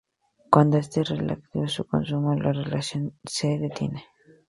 Cuando este reactivo se consume, la reacción se detiene.